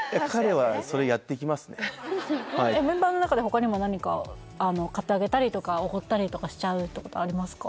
はいメンバーの中で他にも何か買ってあげたりとかおごったりとかしちゃうってことありますか？